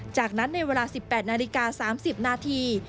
จากนั้นในเวลา๑๘นาฬิกา๓๐นาที